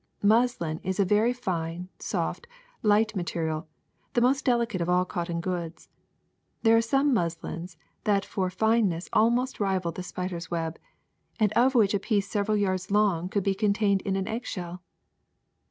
*' Muslin is a very fine, soft, light material, the most delicate of all cotton goods. There are some muslins that for fineness almost rival the spider's web, and of which a piece several yards long could be contained in an egg shell.